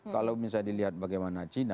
kalau misalnya dilihat bagaimana china